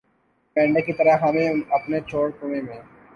مینڈک کی طرح ہمیں اپنے چھوٹے کنوئیں میں